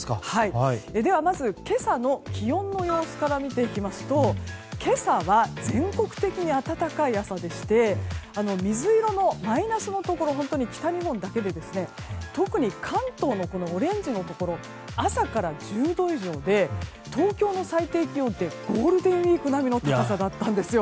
ではまず、今朝の気温の様子から見ていきますと今朝は全国的に暖かい朝でして水色のマイナスのところは本当に北日本だけで特に関東のオレンジのところは朝から１０度以上で東京の最低気温ってゴールデンウィーク並みの高さだったんですよ。